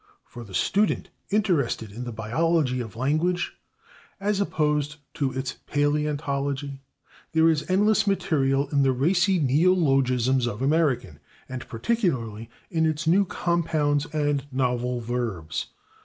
For the student interested in the biology of language, as opposed to its paleontology, there is endless material in the racy neologisms of American, and particularly in its new compounds and novel verbs.